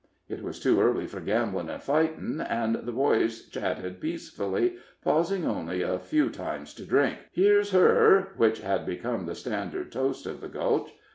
It was too early for gambling and fighting, and the boys chatted peacefully, pausing only a few times to drink "Here's her," which had become the standard toast of the Gulch.